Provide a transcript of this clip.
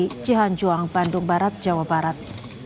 di cihanjuang bandung barat jawa barat